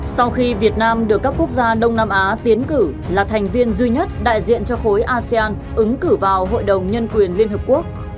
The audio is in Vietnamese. sau khi việt nam được các quốc gia đông nam á tiến cử là thành viên duy nhất đại diện cho khối asean ứng cử vào hội đồng nhân quyền liên hợp quốc